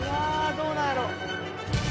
どうなんやろ。